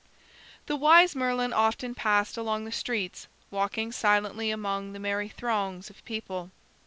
The wise Merlin often passed along the streets, walking silently among the merry throngs of people.